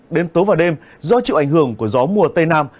đến tối và đêm do chịu ảnh hưởng của gió mùa tây nam